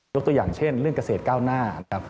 ตัวอย่างเช่นเรื่องเกษตรก้าวหน้านะครับ